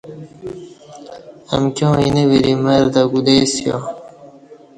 امکیاں اینہ وری مر تہ کودئیسیا